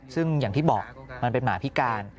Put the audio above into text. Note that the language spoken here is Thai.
ซึ่งอย่างที่บอกมันเป็นหมาพิการ